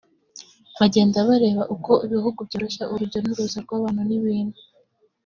bagenda bareba uko ibihugu byoroshya urujya n’uruza rw’abantu n’ibintu